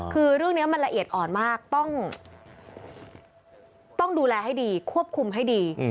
คือเรื่องนี้มันละเอียดอ่อนมากต้องดูแลให้ดีควบคุมให้ดี